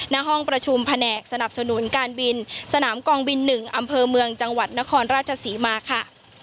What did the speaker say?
ณห้องประชุมแผนกสนับสนุนการบินสนามกองบิน๑อำเภอเมืองจังหวัดนครราชศรีมาค่ะ